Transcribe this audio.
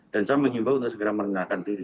dan saya menyembah untuk segera merenangkan diri